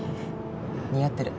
似合ってる。